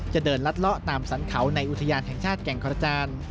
เดินลัดเลาะตามสรรเขาในอุทยานแห่งชาติแก่งกระจาน